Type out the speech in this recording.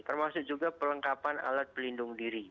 termasuk juga pelengkapan alat pelindung diri